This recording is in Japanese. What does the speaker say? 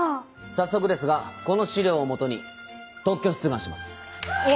早速ですがこの資料を基に特許出願します。